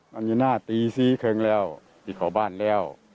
ดั่งงัยง่าตีศี้เงินแล้วดีข่าวบ้านแล้ว